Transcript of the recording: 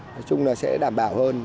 nói chung là sẽ đảm bảo hơn